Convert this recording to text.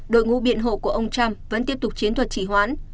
đội ngũ biện hộ của ông trump vẫn tiếp tục chiến thuật chỉ hoãn